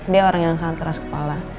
dia orang yang sangat keras kepala